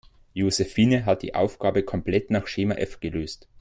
Josephine hat die Aufgabe komplett nach Schema F gelöst.